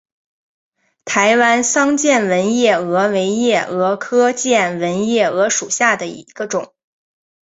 台湾桑剑纹夜蛾为夜蛾科剑纹夜蛾属下的一个种。